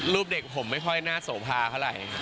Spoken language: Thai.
รูปเด็กผมไม่ค่อยน่าโสภาเท่าไหร่